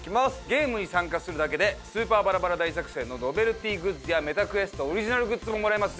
ゲームに参加するだけでスーパーバラバラ大作戦のノベルティグッズやＭｅｔａＱｕｅｓｔオリジナルグッズももらえます。